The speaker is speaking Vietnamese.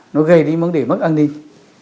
nó gây đến vấn đề mất an ninh